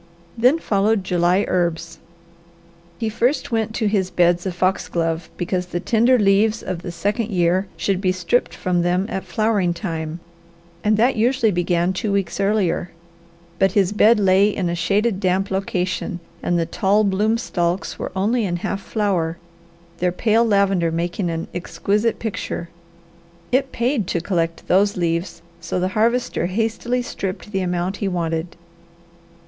Then followed July herbs. He first went to his beds of foxglove, because the tender leaves of the second year should be stripped from them at flowering time, and that usually began two weeks earlier; but his bed lay in a shaded, damp location and the tall bloom stalks were only in half flower, their pale lavender making an exquisite picture. It paid to collect those leaves, so the Harvester hastily stripped the amount he wanted.